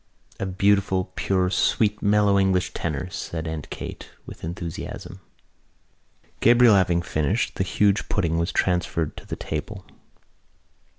"A beautiful pure sweet mellow English tenor," said Aunt Kate with enthusiasm. Gabriel having finished, the huge pudding was transferred to the table.